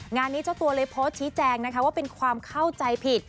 งานนี้เจ้าตัวเลยโพสต์ชี้แจงนะคะว่าเป็นความเข้าใจผิด